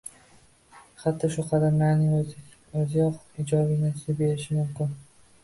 Hatto shu qadamlarning o‘ziyoq ijobiy natija berishi mumkin